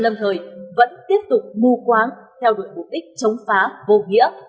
lâm thời vẫn tiếp tục mù quáng theo đuổi mục đích chống phá vô nghĩa